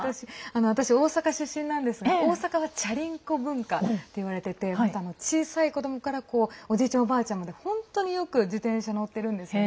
私、大阪出身なんですが大阪はチャリンコ文化っていわれていて小さい子どもからおじいちゃん、おばあちゃんまで本当にみんな自転車よく乗ってるんです。